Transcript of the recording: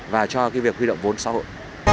và cho việc huy động vốn xã hội